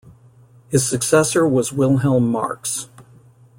His successor was Wilhelm Marx.